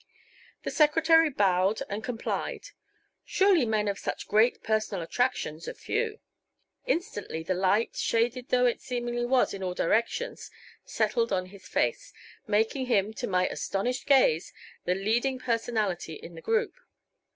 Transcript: The secretary bowed and complied. Surely men of such great personal attractions are few. Instantly the light, shaded though it seemingly was in all directions, settled on his face, making him, to my astonished gaze, the leading personality in the group.